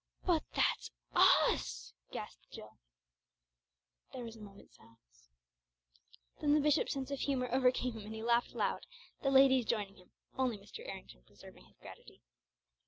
"But that's us!" gasped Jill. There was a moment's silence. Then the bishop's sense of humour overcame him and he laughed loud, the ladies joining him, only Mr. Errington preserving his gravity.